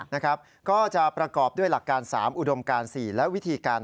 นะครับก็จะประกอบด้วยหลักการ๓อุดมการ๔และวิธีการ